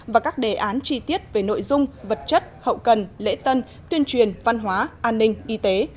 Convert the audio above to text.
và các đề án chi tiết về nội dung vật chất hậu cần lễ tân tuyên truyền văn hóa an ninh y tế